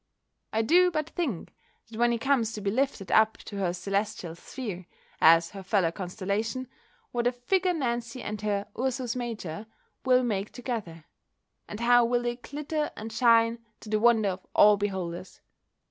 I do but think, that when he comes to be lifted up to her celestial sphere, as her fellow constellation, what a figure Nancy and her ursus major will make together; and how will they glitter and shine to the wonder of all beholders!